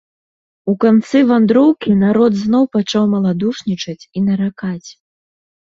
У канцы вандроўкі народ зноў пачаў маладушнічаць і наракаць.